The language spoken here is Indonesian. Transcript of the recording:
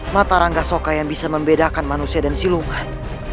mata rangga soka yang bisa membedakan manusia dan siluman